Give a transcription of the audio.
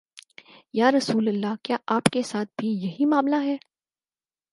یا رسول اللہ، کیا آپ کے ساتھ بھی یہی معا ملہ ہے؟